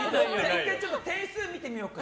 １回点数見てみようか。